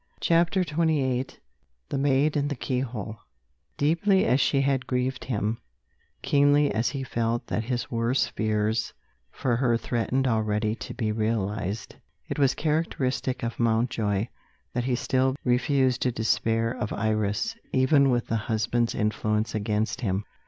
CHAPTER XXVIII THE MAID AND THE KEYHOLE DEEPLY as she had grieved him, keenly as he felt that his worst fears for her threatened already to be realised, it was characteristic of Mountjoy that he still refused to despair of Iris even with the husband's influence against him.